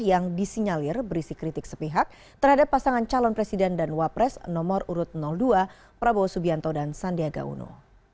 yang disinyalir berisi kritik sepihak terhadap pasangan calon presiden dan wapres nomor urut dua prabowo subianto dan sandiaga uno